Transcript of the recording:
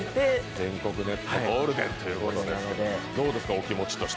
全国ネット、ゴールデンということで、どうですか、お気持ち。